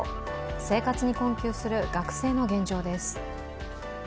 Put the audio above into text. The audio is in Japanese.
生活に困窮する学生の現状です。